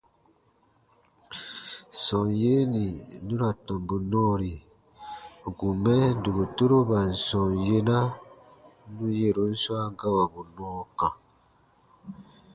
Sɔm yee nì nu ra tɔmbu nɔɔri ǹ kun mɛ dokotoroban sɔm yena nù yɛ̃ron swa gawabu nɔɔ kã.